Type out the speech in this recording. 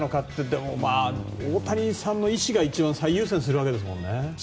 でも、大谷さんの意思を最優先するわけですもんね。